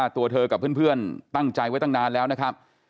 ตัวเธอกับเพื่อนตั้งใจไว้ตั้งนานแล้วนะครับ